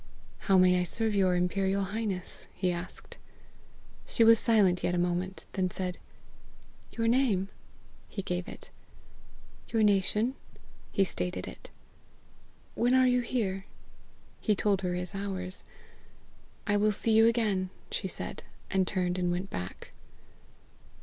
"How may I serve your imperial highness?" he asked. She was silent yet a moment, then said, "Your name?" He gave it. "Your nation?" He stated it. "When are you here?" He told her his hours. "I will see you again," she said, and turned and went back.